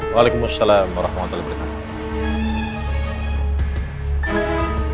waalaikumsalam warahmatullahi wabarakatuh